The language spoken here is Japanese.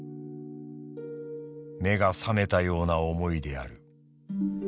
「目が覚めたような思いである。